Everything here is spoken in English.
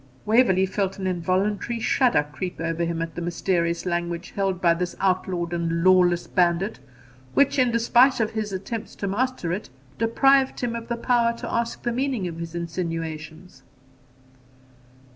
Waverley felt an involuntary shudder creep over him at the mysterious language held by this outlawed and lawless bandit, which, in despite of his attempts to master it, deprived him of the power to ask the meaning of his insinuations.